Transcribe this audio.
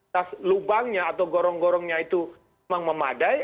tas lubangnya atau gorong gorongnya itu memang memadai